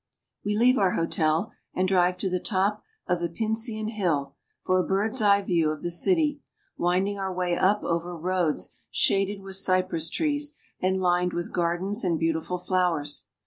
We leave our hotel and drive to the top of the Pincian Hill for a bird's eye view of the city, winding our way up over roads shaded with cypress trees, and lined with gar dens and beautiful flowers.